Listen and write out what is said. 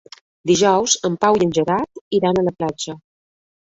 Dijous en Pau i en Gerard iran a la platja.